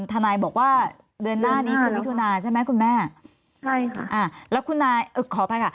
ทานายบอกว่าเดือนหน้านี้คุณมิถุนายใช่ไหมคุณแม่ใช่ค่ะ